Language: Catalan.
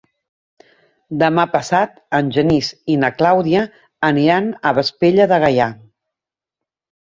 Demà passat en Genís i na Clàudia aniran a Vespella de Gaià.